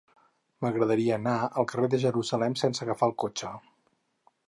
M'agradaria anar al carrer de Jerusalem sense agafar el cotxe.